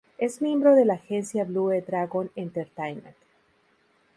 Es miembro de la agencia "Blue Dragon Entertainment".